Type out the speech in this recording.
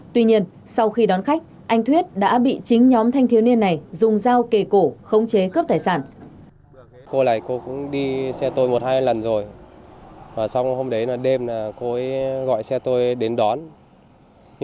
tuy nhiên sau khi đón khách anh thuyết đã bị chính nhóm thanh thiếu niên này dùng dao kề cổ khống chế cướp tài sản